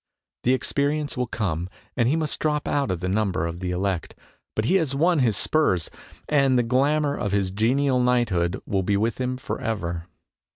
The experi ence will come and he must drop out of the number of the elect, but he has won his spurs, and the glamour of his genial knight hood will be with him for ever.